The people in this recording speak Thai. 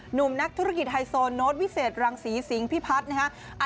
หนุ่มนักธุรกิจไฮโซโน้ตวิเศษรังศรีสิงห์พิพัฒน์นะฮะ